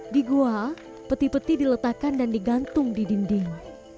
di gua peti peti diletakkan dan digantung di dinding